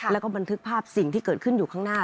แล้วก็บันทึกภาพสิ่งที่เกิดขึ้นอยู่ข้างหน้า